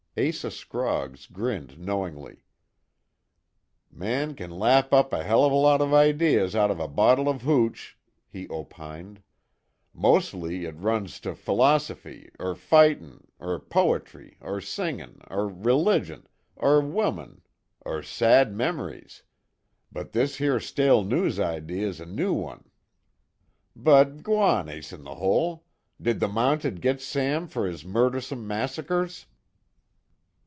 Asa Scroggs grinned knowingly: "Man kin lap up a hell of a lot of idees out of a bottle of hooch," he opined, "Mostly it runs to ph'los'fy, er fightin', er po'try, er singin', er religion, er women, er sad mem'ries but this here stale news idee is a new one. But, g'wan, Ace In The Hole, did the Mounted git Sam fer his murdersome massacres?"